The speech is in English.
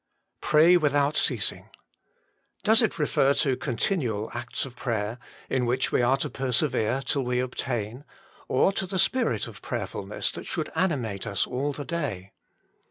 Pray without Ceasing. Does it refer to continual acts of prayer, in which we are to persevere till we obtain, or to the spirit of prayerfulness that should animate us all the day